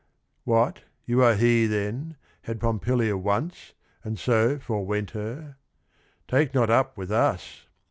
'What, you are he, then, had Pompilia once And so forwent her? Take not up with us